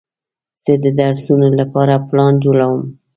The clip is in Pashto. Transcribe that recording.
زه د درسونو لپاره پلان جوړوم.